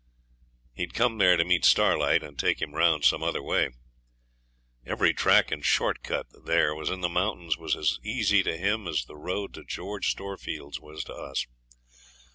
He'd come there to meet Starlight and take him round some other way. Every track and short cut there was in the mountains was as easy to him as the road to George Storefield's was to us.